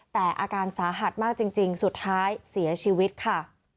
แต่อาการสาหัสมากจริงสุดท้ายเสียชีวิตค่ะ